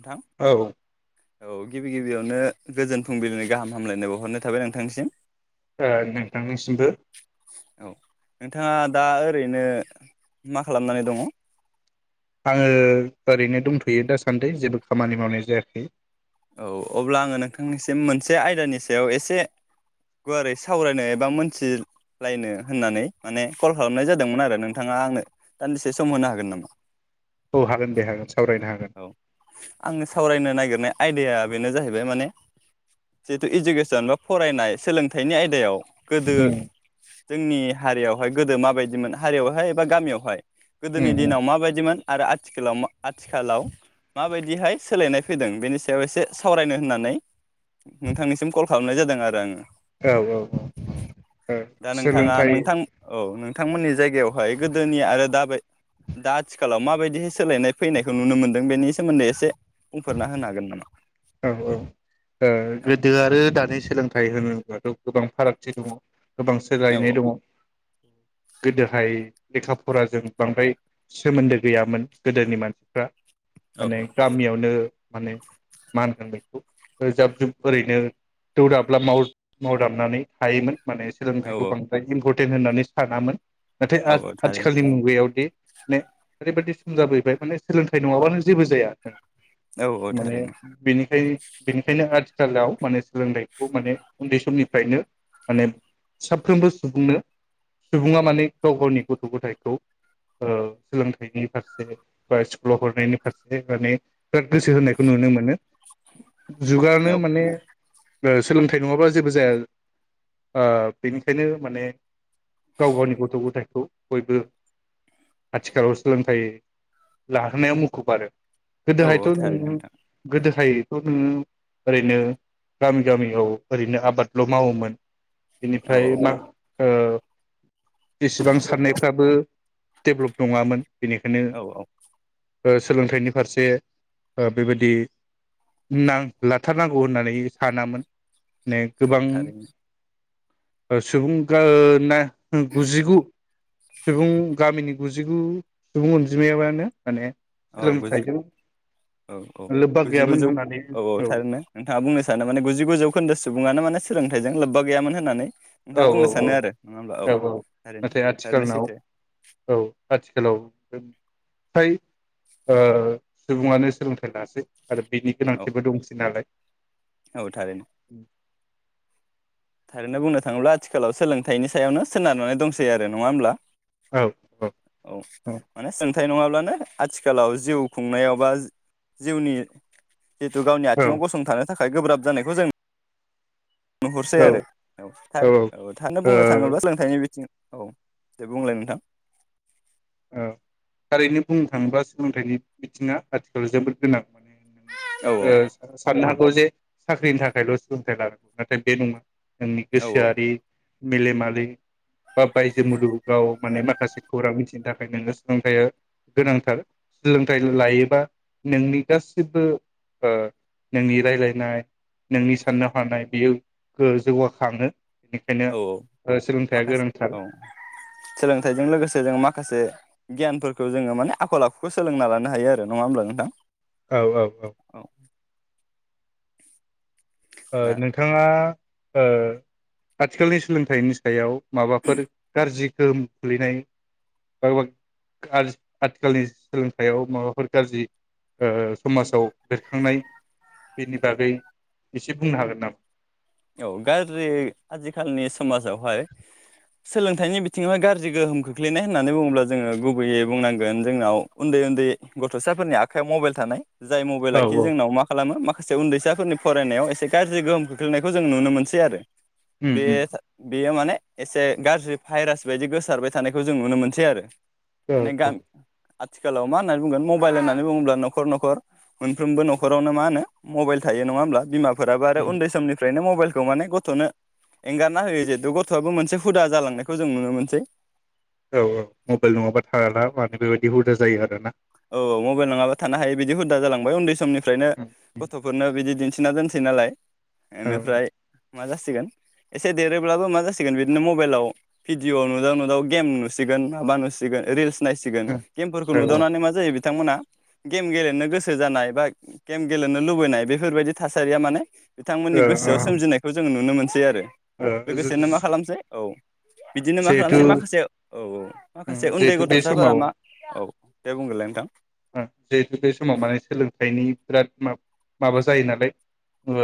नोंथां औ औ गिबि गिबियावनो गोजोन फुंबिलिनि गाहाम हामलायनाय बावहरनाय थाबाय नोंथांनिसिम। ओ नोंथांनिसिमबो औ नोंथाङा दा ओरैनो मा खालामनानै दङ? आङो ओरैनो दंथ'यो दासान्दि जेबो खामानि मावनाय जायाखै। औ अब्ला आङो नोंथांनिसिम मोनसे आयदानि सायाव एसे गुवारै सावरायनो एबा मोनथिलायनो होननानै माने कल खालामनाय जादोंमोन आरो नोंथाङा आंनो दान्दिसे सम होनो हागोन नामा? औ हागोन दे हागोन सावरायनो हागोन औ आङो सावरायनो नागिरनाया आयदाया बेनो जाहैबाय माने जिथु इडुकेसन बा फरायनाय सोलोंथाइनि आयदायाव गोदो उम जोंनि हारियावहाय गोदो माबायदिमोन हारियावहाय एबा गामियावहाय गोदोनि उम उम दिनाव माबायदिमोन आरो आथिखालाव मा आथिखाल लाव माबायदिहाय सोलायनाय फैदों बेनि सायाव एसे सावरायनो होननानै नोंथांनिसिम कल खालामनाय जादों आरो आङो औ औ ओ दा नोंथाङा सोलोंथाइ नोंथां औ नों नोंथांमोननि जायगायावहाय गोदोनि आरो दा दा आथिखालाव माबायदिहाय सोलायनाय फैनाय खौ नुनो मोनदों बेनि सोमोन्दै एसे बुंफोरना होनो हागोन नामा? औ औ ओ गोदो आरो दानि सोलों थाय होनोब्लाथ' गोबां फारागथि दङ। औ गोबांसोलायनाय दङ गोदोहाय लेखा फराजों बांद्राय सोमोन्दो गैयामोन गोदोनि मानसिफ्रा औ माने गामियावनो माने मा होनगो बेखौ ओ जाब जुब ओरैनो दोदाब्ला माव मावदाबनानै थायोमोन माने औ सोंलोंथाइखौ बांद्राय इम्पर्ट टेन होननानै सानामोन। नाथाय औ औ थारैनो आथ-आथिखालनि मुगायावदि माने ओरैबायदि सम जाबैबाय माने सोलोंथाइ नङाबानो जेबो जाया। ओं औ ओ थारैनो। बेखाय बेनिखायनो आथिखालाव माने सोलोंथाइखौ माने उन्दै समनिफ्रायनो माने साफ्रोमबो सुबुंनो सुबुङा माने गाव गावनि गथ' गथाइखौ ओ सोलोंथाइनि फारसे बा स्कुलाव हरनायनि फारसे माने बिराद गोसो होनायखौ नुनो मोनो। औ जुगानो माने ओ सोलोंथाइ नङाबा जेबो जाया ओ बेनिखायनो माने गाव गावनि गथ' गथायाइखौ बयबो आथिखालाव सोलोंथाइ लाहोनायाव मुखुबआरो गोदोहायथ' औ थारैनो नोङो नोंथां दोहायथ' नोङो ओरैनो गामि गामियाव ओरैनो आबादल' मावोमोन। औ बेनिफ्राय मा ओ जिसेबां साननायफ्राबो डेभलप नङामोन। बेनिखायनो औ औ ओ सोलोंथाइनि फारसे ओ बेबायदि नां लाथारनांगौ होननानै सानामोन। ने औ गोबां थारैनो ओ सुबुंगोनो ओं गुजिगु सुबुं गामिनि गुजिगु सुबुं अनजिमायावआनो माने औ गुजि सोलोंथाइजों औ औ लोब्बा गैयामोन गुजिगुजौ होननानै औ औ थारैनो नोंथाङा बुंनो सानो माने गुजिगु जौखोन्दो सुबुं मानो माने सोलोंथाइजों लोब्बा गैयामोन होननानै औ नोंथाङा औ बुंनो औ सानो आरो नङा होमब्ला औ औ थारैनो नाथाय थारैनो आथिखानाव सैथो औ आथिखालावबो थाय ओ सुबुंङानो सोलोंथाइ लासै। आरो बिनि औ गोनांथिबो दंसै नालाय। औ थारैनो। थारैनो बुंनो थाङोब्ला आथिखालाव सोलों थाइनि सायावनो सोनारनानै दंसै आरो नङा होमब्ला? औ औ माने सोलों थाय नङाब्लानो आथिखालाव जिउ खुंनायाव बा जिउनि जिहुतु गावनि औ आथिङाव गसंथानो थाखाय गोब्राब जानायखौ जों नुहरसै औ आरो औ औ थारैनो बुंनो थाङोब्ला सोलोंथाइनि बिथिंआव। औ दे बुंलाय नोंथां। औ थारैनो बुंनो थाङोबा सोलोंथाइनि बिथिङा आथिखालाव जोबोद गोनां। औ ओ साननो जे साख्रिनि थाखायल सोलोंथाइ लानांगौ नाथाय बे नङा। जोंनि औ गोसोआरि मेलेमारि बा बायजो मुलुगाव माने माखासे खौरां मिथिनो थाखाय। नोङो सोलोंथायाइया गोनांथार सोलोंथाइ लायोबा नोंनि गासिबो नोंनि रायलायनाय नोंनि साननो हानाय बेयो जौगाखाङो। बेनिखायनो औ औ सोलोंथाइया माखासे गोनांथार औ सोलोंथाइजों लोगोसे जों माखासे। गियानफोरखौ जोङो माने आखल आखुखौ सोलोंना लानो हायो आरो नङा होमब्ला नोंथां। औ औ औ। ओ दा नोंथाङा आथिखालनि सोलोंथाइनि सायाव माबाफोर गाज्रि गोहोम गोगलैनाय बा आथिखालनि सोलोंथाइयाव माबाफोर गाज्रि समाजाव बेरखांनाय बेनि बागै एसे बुंनो हागोन नामा? औ गाज्रि आजि खालिनि समाजावहाय सोलोंथाइनि बिथिङावहाय गाज्रि गोहोम खोख्लैनाय होननानै बुङोब्ला जोङो गुबैयै बुंनांगोन जोंनाव उन्दै उन्दै गथसाफोरनि आखाइयाव मबाइल थानाय जाय औ मबाइलाखि जोंनाव मा खालामो मा उन्दैसाफोरनि फरायनायाव एसे गाज्रि गोहोम खोख्लैनाय। बेखौ जों नुनो मोनसै आरो। उम उम बेयो बेयो माने। एसे गाज्रि भाइरास बायदि गोसारबाय थानायखौ जों नुनो मोनसै आरो। औ माने गा आथिखालाव मा होननानै बुंगोन मबाइल होननानै बुङोब्ला नखर नखर मोनफ्रोमबो नखरावनो मा होनो मबाइल थायो नङा होब्ला बिमा फोराबो आरो उन्दै समनि ओरैनो मबाइलखौ माने गथनो एंगारना होयो जिहेतु गथआबो मोनसे हुदा जालांनायखौ जों नुनो मोनसै। औ औ मबाइल नङाबा थाला माने बेबायदि हुदा जायो आरोना। औ मबाइल नङाबा थानो हायै बिदि हुदा जालांबाय उन्दै समनि फ्रायनो औ गथफोरनो बिदि दिन्थि सोना दोनसै नालाय ओनिफ्राय मा जासिगोन एसे देरोब्लाबो मा जासिगोन बिदिनो मबाइलाव भिडिअ नुदाव नुदाव गेम नुसिगोन माबा नुसिगोन रिल्स नायसिगोन गेमफोरखौ औ नुदावनानै मा बिथांमोना गेम गेलेनो गोसो जानाय बा गेम गेलेनो लुबैनाय बेफोरबायदि थासारिया माने बिथांमोननि गोसोआव सोमजिनायखौ जोङो नुनो मोनो। सै आरो लोगोसेनो मा जिहेथु खालामसै औ। बिदिनो मा खालामसै माखासे औ औ माखासे उन्दै जिहेथु बे गथसाफोरा मा औ दे बुंग्रोनलाय जिहेतु बे समाव माने सोलोंथाइनि बिराद माबा जायो नालाय ओ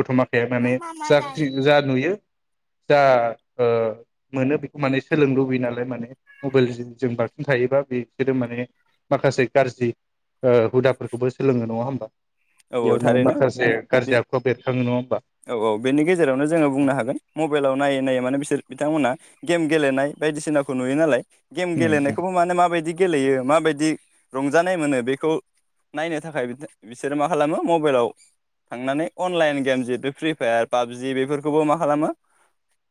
गथ माखाया माने जाख्रि जा नुयो जा ओ मोनो बेखौ माने सोलोंनो लुबैयो नालाय माने मबाइल जों बांसिन थायोबा बिसोरो माने माखासे गाज्रि ओ हुदाफोरखौबो सोलोङो नङा होमबा। औ औ बेयावनो थारैनो माखासे बे गाज्रि आखुआ बेरखाङो नङा होमबा औ औ बेनि गेजेरावनो जोङो बुंनो हागोन मबाइलाव नायै नायै माने बिसोर बिथांमोनहा गेम गेलेनाय बायदिसिनाखौ नुयो नालाय गेम उम उम गेलेनायखौबो माने माबायदि गेलेयो माबायदि रंजानाय मोनो बेखौ नायनो थाखाय बिथां बिसोरो मा खालामो मबाइलाव थांनानै अनलाइन गेम जिहेथु फ्रि फायार पाबजि बेफोरखौबो मा खालामो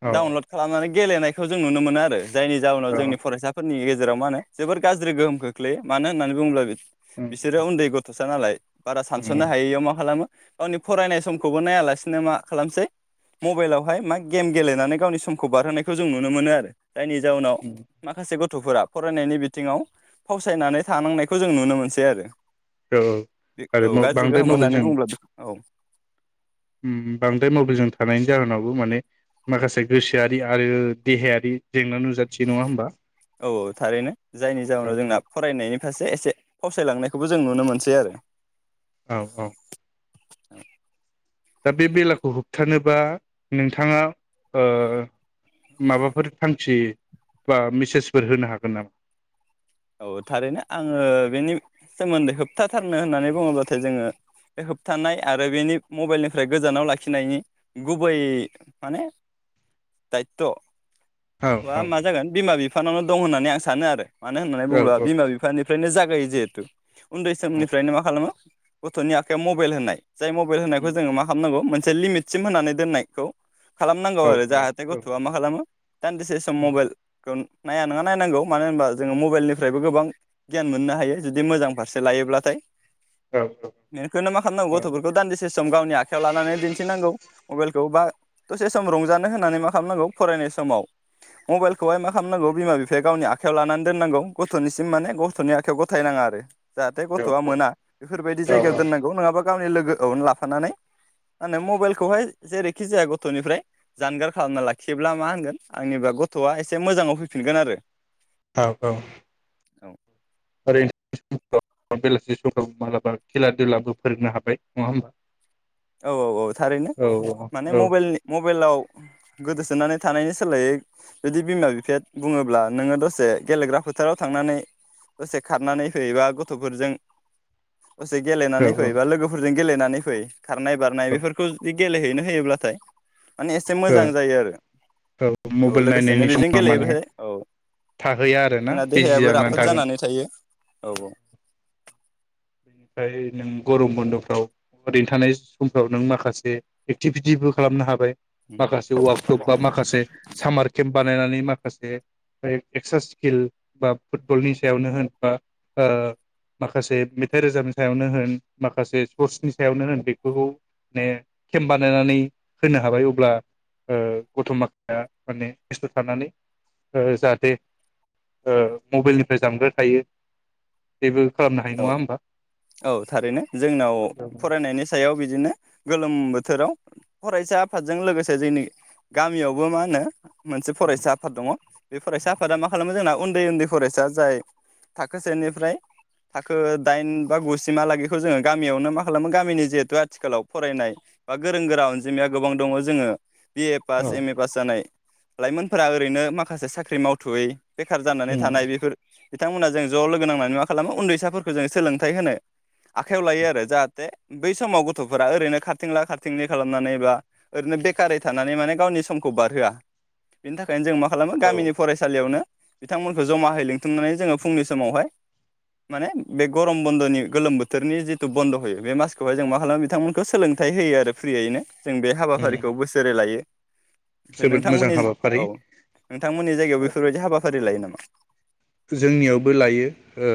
औ दाउनलड खालामनानै गेलेनायखौ जों नुनो मोनो आरो। जायनि जाउनाव औ जोंनि फरायसाफोरनि गेजे गेजेराव मा होनो जोबोर गाज्रि गोहोम खोख्लैयो मानो होननानै बुंब्ला बि उम बिसोरो उन्दै गथसा नालाय। बारा उम सानसनो हायियाव मा मा खालामो गावनि फरायनाय समखौबो नायालासिनो मा खालामसै मबाइलावहाय मा गेम गेलेनानै गावनि समखौ बारहोनायखौ जों नुनो मोनो आरो। जायनि जाउनाव उम माखासे गथ गथफोरा फरायनायनि बिथिङाव फावसायनानै थानांनायखौ जों नुनो मोनसै आरो औ औ आरो औ गाज्रि बांद्राय गोहोम होननानै बुंब्ला औ उम उम बांद्राय मबाइलजों थानायनि जाहोनावबो माने माखासे गोसोआरि आरो देहायारि जेंना नुजाथियो नङा होमबा औ-औ थारैनो जायनि औ जाहोनाव जोंना फरायनायनि सासे एसे फावसायलांनायखौबो जों नुनो मोनसै आरो। औ-औ [unintelligible] दा बे बेलाखौ होबथानोबा नोंथाङा ओ माबाफोर थांखि बा मेसेजफोर होनो हागोन नामा? औ थारैनो आङो बेनि सोमोन्दै होबथा थारनो होननानै बुङोब्लाथाय जोङो बे होबथानाय आरो बेनि मबेइलनिफ्राय गोजानाव लाखिनायनि गुबै माने दायथ औ बा औ मा जागोन बिमा बिफानाव दं होननानै आं सानो आरो। मानो होननानै औ बुङोब्ला बिमा बिफानिफ्रायनो जागायो जे [inaudible] उन्दै सोमनिफ्रायनो मा खालामो गथनि आखाइयाव मबेल होनाय जाय मबेइल होनायखौ जोङो मा खालामनांगौ मोन मोनसे लिमिटसिम होननानै दोननायखौ खालामनांगौ औ आरो जाहाथे गथ'आ मा खालामो दान्दिसे सम मबेल खौ नाया नोङा नायनांगौ मानो होनबा जोङो मबेलनिफ्रायबो गोबां गियान मोननो हायो जुदि मोजां फारसे लायोब्लाथाय औ बेखौनो मा खालामनांगौ गथ'फोरखौ दान्दिसे सम गावनि आखाइायाव लानानै दिन्थिनांगौ। मबेलखौ बा दसे सम रंजानो होनानै मा खालामनांगौ फरायनाय समाव मबेलखौहाय मा खालामनांगौ बिमा बिफाया गावनि आखाइयाव लानान दोननांगौ गथ'निसिम माने गथ'नि आखाइयाव गथायनाङा आरो जाहाथे गथ'आ मोना बेफोरबायदि जायगायाव औ दोनांगौ नोङाबा गावनि लोगोयावनो लाफानानै मा होनो मबेलखौहाय जेरैखि जाया गथ'निफ्राय जानगार खालामना लाखियोब्ला मा होनगोन आंनिबा गथ'आ एसे मोजाङाव फैफिनगोन आरो औ औ। औ। ओरै [unintelligible] बेलासि समाव मालाबा खेला दुलाबो फोरोंनो हाबाय नङा होमबा? औ औ औ थारैनो औ माने औ मबेलनि मबेलाव गोदोसोनानै थानायनि सोलायै जुदि बिमा बिफाया बुङोब्ला नोङो दसे गेलेग्रा फोथाराव थांनानै दसे खारनानै होयोबा गथ'फोरजों। दसे गेलेनानै फै‌ औ बा लोगोफोरजों गेलेनानै फै। खारनाय बारनाय बेफोरखौ जुदि गेलेहैनो होयोब्लाथाय माने एसे औ मोजां जायो आरो औ औ मबाइल लोगोसेनो नायनायनि बेजों समा माने गेलेबायथाय थाहैया आरोना जोंना बिजि देहायाबो राफोद थागोन जानानै थायो। फ्राय नों गरम बन्दफ्राव ओरैनो थानाय समफ्राव नों माखासे एक्टिभिटिबो खालामनो हाबाय। माखासे वार्कशप बा माखासे सामार केम्प बानायनानै माखासे एक्सट्रा स्किल बा फुटबलनि सायावनो होन बा ओ माखासे मेथाइ रोजाबनि सायावनो होन माखासे स्पर्टसनि सायावनो होन बेखौ माने केम बानायनानै होनो हाबाय अब्ला ओ गथ' माखासेया माने बेस्थ थानानै ओ जाहाथे ओ मबिलनिफ्राय जानगार थायो बेेबो खालामनो हायो औ नङा होनमबा? औ थारैनो जोंनाव फरायनायनि सायाव बिदिनो गोलोम ओम बोथोराव फरायसा आफादजों लोगोसे जोंनि गामियावबो मा होनो मोनसे फरायसा आफाद दङ। बे फरायसा आफादा मा खालामो जोंना उन्दै उन्दै फरायसा जाय थाखो सेनिफ्राय थाखो दाइन बा गुसिमा लागैखौ जोङो गामियावनो मा खालामो गामिनि जिहेथु आथिखालाव फरायनाय बा गोरों गोरा अनजिमाया गोबां दङ जोङो बि ए औ पास, औ एम ए पास जानाय लाइमोनफोरा ओरैनो माखासे साख्रि मावथ'यै बेखार जानानै उम थानाय बेफोर बिथांमोना जों ज' लोगो नांनानै मा खालामो उन्दैसाफोरखौ जों सोलों सोलोंथाय होनो आखाइयाव लायो आरो जाहाथे बै समाव गथ'फोरा ओरैनो खारथिंला खारथिंलि खालामनानै बा ओरैनो बेखारै थानानै माने गावनि समखौ बारहोआ बेनि थाखायनो जों मा खालामो गामिनि उम फरायसालियावनो बिथांमोनखौ जमाहै लिंथुमनानै जोङो फुंनि समावहाय माने ब गर ग्रम बन्दनि गोलोम बोथोरनि जिथु बन्द होयो बे मासखौहाय जों मा खालामो बिथांमोनखौ सोलोंथाइ होयो आरो फ्रियैनो जों बे हाबाफारिखौ बोसोरै लायो ओमफ्राय जोबोद मोजां नोंथांमोननि हाबाफारि औ नोंथांमोननि जायगायाव बेफोरबायदि हाबा फारि लायो नामा जोंनियावबो लायो ओ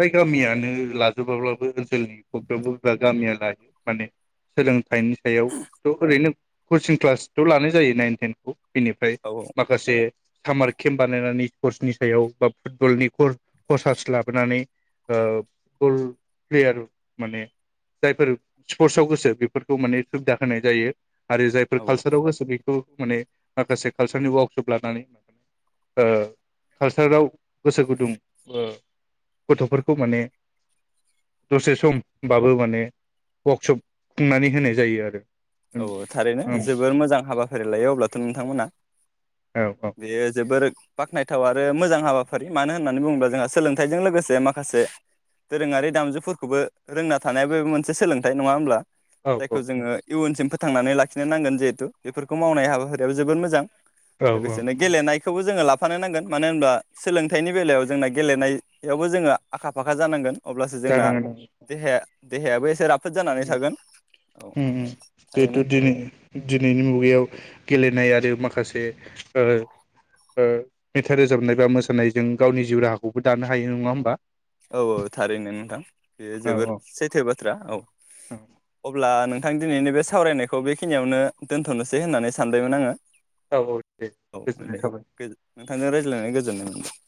बै गामियानो लाजोबाब्लाबो जों नि भकटापुर बा गामियानो लायो माने सोलोंथाइनि सायावथ ओरैनो कचिं क्लासथ लानाय जायो नाइन टेनखौ बिनिफ्राय औ औ माखासे सामार केम्प बानायनानै स्पर्टसनि सायाव बा फुटबलनि खसास्लाब माबानै ओ फुटबल प्लेयार माने जायफोर स्पर्टसआव गोसो बेफोरखौ माने सुबिदा होनाय जायो आरो जायफोर औ कालसारावबो सोलियो उ माने माखासे कालसारनि वाकशप लानानै ओ कालसाराव गोसो गुदुं ओ गथ'फोरखौ माने दसे समबाबो माने वार्कशप खुंनानै होनाय जायो आरो उम औ औ थारैनो उम जोबोर मोजां हाबाफारि लायो अब्लाथ नोंथांमोना औ बेयो जोबोर बाख्नायथाव आरो मोजां हाबाफारि मानो होननानै बुङोब्ला जोंहा सोलोंथाइजों लोगोसे माखासे दोरोङारि दामजुफोरखौबो रोंना थानाया बे मोनसे सोलोंथाइ नङा होमब्ला औ औ जोंबो थांनानै लाखिनोनांगोन जिहेथु बेफोरखौ मावनाय हाबाफारियाबो जोबोद मोजां औ औ लोगोसेनो गेलेनायखौबो जोङो ला फानो नांगोन मानो होनब्ला सोलोंथाइनि बेलायाव जोंना गेलेनायावबो जोङो आखा फाखा जानांगोन अब्लासो जोंना जानांगोन देहाया देहायाबो एसे राफ फोद जानानै थागोन औ ओहो बेथ थारैनो दिनै दिनैनि मुगायाव गेलेनाय आरो बे माखासे ओ ओ मेथाइ रोजाबनाय बा मोसानायजों गावनि जिउ राहाखौबो दानो हायो नङा होमबा औ औ थारैनो नोंथां बेयो औ जोबोर सैथो बाथ्रा औ अब्ला नोंथां दिनैनि बे सावरायनायखौ बेखिनियावनो दोनथनोसै होननानै सानबायमोन आङो औ औ दे औ गोजोननाय दे थाबाय नोंथांजों रायज्लायनानै गोजोननाय मोनबाय